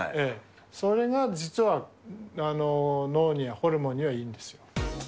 それが実は脳に、ホルモンにはいいんですよ。